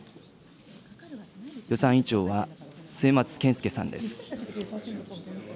予算委員長は末松けんすけさんです。